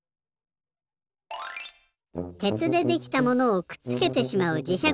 鉄でできたものをくっつけてしまうじしゃく